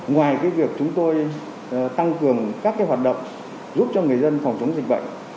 ngoài việc chúng tôi tăng cường các hoạt động giúp cho người dân phòng chống dịch bệnh